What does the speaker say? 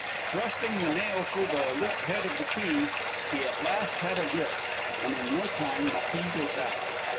Thrusting the nail through the looped head of the key, he at last had a grip, and in no time the key was out.